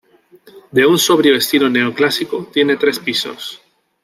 De un sobrio estilo neoclásico, tiene tres pisos.